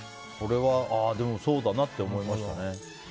でも、そうだなって思いましたね。